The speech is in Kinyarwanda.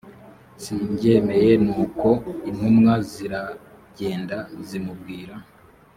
simbyemeye nuko intumwa ziragenda zimubwira